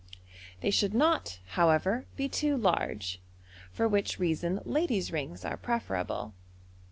They should not, however, be too large, for which reason ladies' rings are preferable.